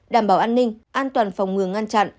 đảm bảo an ninh an toàn phòng ngừa ngăn chặn